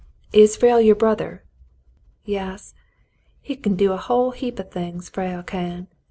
'* "Is Frale j^our brother.^" "Yas. He c'n do a heap o' things, Frale can.